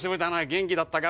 元気だったか？